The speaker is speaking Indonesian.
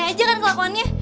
gimana aja kan kelakuannya